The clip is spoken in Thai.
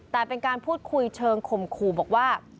แต่เป็นการพูดคุยเชิงข่มขู่บอกว่า